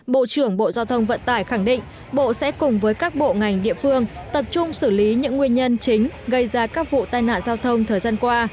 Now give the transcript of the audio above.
bộ trưởng bộ giao thông vận tải khẳng định bộ sẽ cùng với các bộ ngành địa phương tập trung xử lý những nguyên nhân chính gây ra các vụ tai nạn giao thông thời gian qua